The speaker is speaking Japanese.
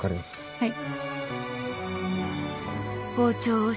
はい。